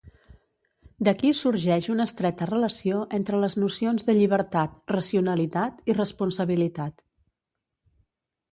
D'aquí sorgeix una estreta relació entre les nocions de llibertat, racionalitat i responsabilitat.